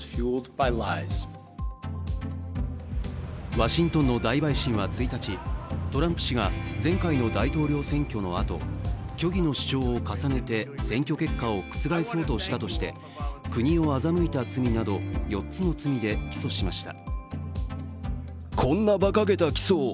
ワシントンの大陪審は１日、トランプ氏が前回の大統領選挙のあと虚偽の主張を重ねて選挙結果を覆そうとしたとして国を欺いた罪など、４つの罪で起訴しました。